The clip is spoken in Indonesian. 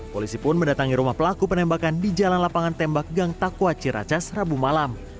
polisi pun mendatangi rumah pelaku penembakan di jalan lapangan tembak gang takwa ciracas rabu malam